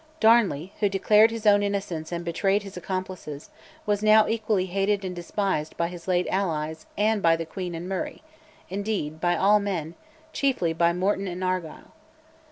Darnley, who declared his own innocence and betrayed his accomplices, was now equally hated and despised by his late allies and by the queen and Murray, indeed, by all men, chiefly by Morton and Argyll.